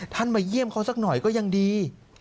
มาเยี่ยมเขาสักหน่อยก็ยังดี